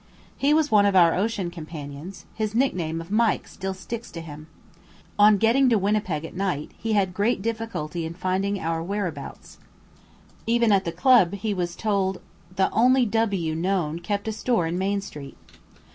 He was one of our ocean companions; his nickname of Mike still sticks to him. On getting to Winnipeg at night he had great difficulty in finding our whereabouts; even at the Club he was told the only W known kept a store in Main Street.